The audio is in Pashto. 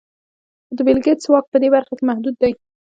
خو د بېل ګېټس واک په دې برخه کې محدود دی.